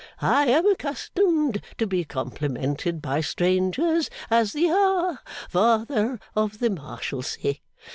I am accustomed to be complimented by strangers as the ha Father of the Marshalsea.